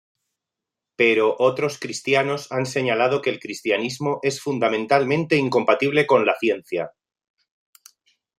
Pero otros cristianos han señalado que el cristianismo es fundamentalmente incompatible con la ciencia.